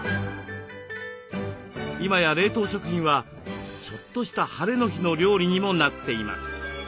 今や冷凍食品はちょっとした晴れの日の料理にもなっています。